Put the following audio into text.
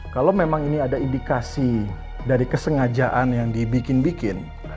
kalau memang ini ada indikasi dari kesengajaan yang dibikin bikin